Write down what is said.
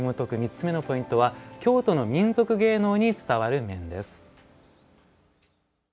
３つ目のポイントは「京都の民俗芸能に伝わる面」。